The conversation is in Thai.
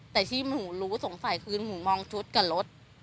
แต่ที่หนูรู้สงสัยคือหนูมองชุดกับรถ